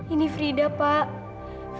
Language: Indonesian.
ini rida pak